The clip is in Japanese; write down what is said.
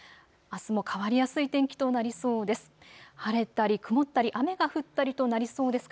あすも変わりやすい天気となりそうです。